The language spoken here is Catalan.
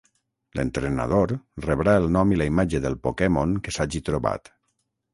L'entrenador rebrà el nom i la imatge del Pokémon que s'hagi trobat.